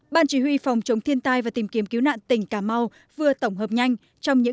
ban chỉ huy phòng chống thiên tai và tìm kiếm cứu nạn tỉnh cà mau vừa tổng hợp nhanh trong những